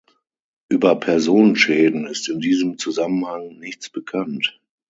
Über Personenschäden ist in diesem Zusammenhang nichts bekannt.